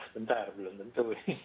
bentar belum tentu